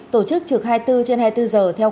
tổ chức trực hai mươi bốn trên hai mươi bốn giờ theo